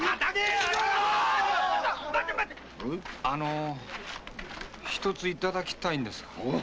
あの一つ頂きたいのですが。